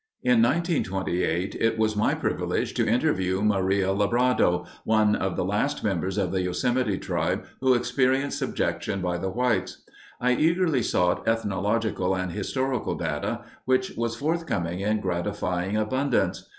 In 1928 it was my privilege to interview Maria Lebrado, one of the last members of the Yosemite tribe who experienced subjection by the whites. I eagerly sought ethnological and historical data, which was forthcoming in gratifying abundance.